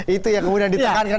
itu yang kemudian ditekan kan